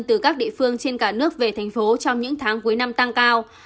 từ các địa phương trên cả nước về thành phố trong những tháng cuối năm tăng cao